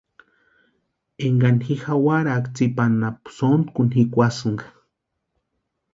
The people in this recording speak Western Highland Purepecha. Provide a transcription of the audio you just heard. Énkani jawaraka tsipa anapu sontku jikwasïnka.